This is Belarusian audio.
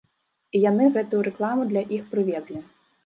І яны гэтую рэкламу для іх прывезлі.